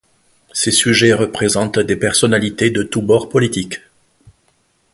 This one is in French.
Ses sujets représentent des personnalités de tous bords politiques.